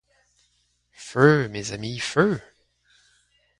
Feu ! mes amis ! feu !